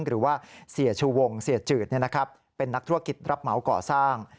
หรือว่าเสียชูวงเสียจืดเป็นนักธุรกิจรับเหมาก่อสร้าง